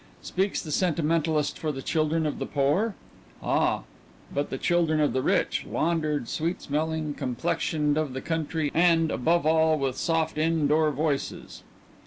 Speaks the sentimentalist for the children of the poor? Ah, but the children of the rich, laundered, sweet smelling, complexioned of the country, and, above all, with soft, in door voices.